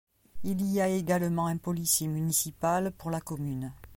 Il y a également un policier minicipal pour la commune.